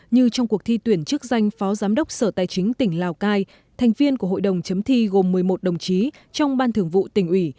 như trong cuộc thi tuyển chức danh phó giám đốc sở tài chính tỉnh lào cai thành viên của hội đồng chấm thi gồm một mươi một đồng chí trong ban thường vụ tỉnh ủy